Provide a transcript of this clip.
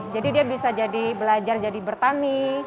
jadi dia bisa jadi belajar jadi bertani